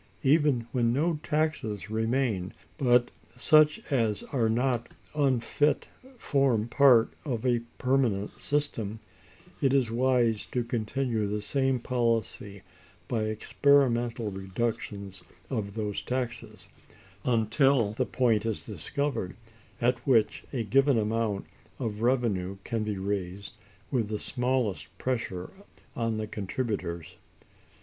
Even when no taxes remain but such as are not unfit to form part of a permanent system, it is wise to continue the same policy by experimental reductions of those taxes, until the point is discovered at which a given amount of revenue can be raised with the smallest pressure on the contributors.